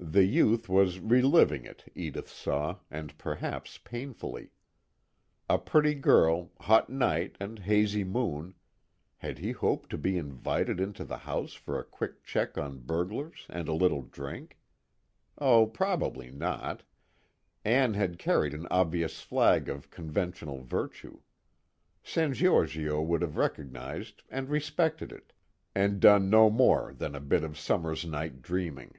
The youth was reliving it, Edith saw, and perhaps painfully. A pretty girl, hot night and hazy moon had he hoped to be invited into the house for a quick check on burglars and a little drink? Oh, probably not. Ann had carried an obvious flag of conventional virtue. San Giorgio would have recognized and respected it, and done no more than a bit of summer's night dreaming.